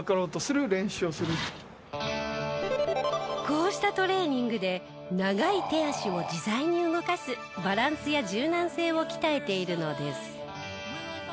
こうしたトレーニングで長い手足を自在に動かすバランスや柔軟性を鍛えているのです。